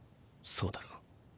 そうだろ？